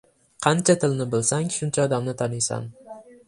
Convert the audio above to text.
• Qancha tilni bilsang, shuncha odamni taniysan.